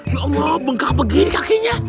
ya allah bengkak begini kakinya